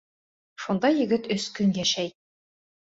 Шунда егет өс көн йәшәй.